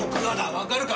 わかるか？